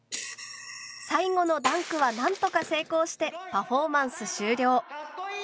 最後のダンクは何とか成功してパフォーマンス終了。